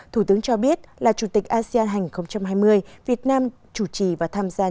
thủ tướng cho biết là chủ tịch asean hai nghìn hai mươi việt nam chủ trì và tham gia